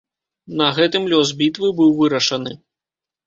На гэтым лёс бітвы быў вырашаны.